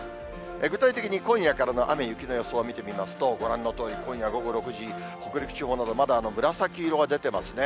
具体的に今夜からの雨や雪の予想を見てみますと、ご覧のとおり、今夜午後６時、北陸地方など、まだ紫色が出てますね。